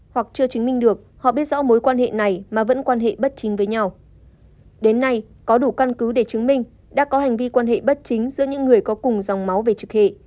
hoặc chưa chứng minh được họ biết rõ mối quan hệ này mà vẫn quan hệ bất chính với nhau